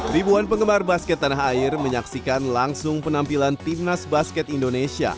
ribuan penggemar basket tanah air menyaksikan langsung penampilan timnas basket indonesia